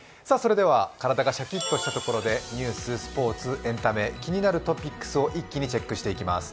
体がシャキッとしたところで、ニュース、スポーツ、エンタメ、気になるトピックスを一気にチェックしていきます。